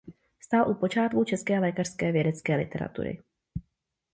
Stál u počátků české lékařské vědecké literatury.